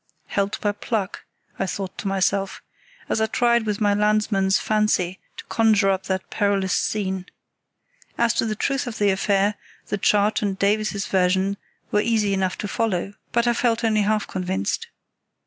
Helped by pluck, I thought to myself, as I tried with my landsman's fancy to conjure up that perilous scene. As to the truth of the affair, the chart and Davies's version were easy enough to follow, but I felt only half convinced.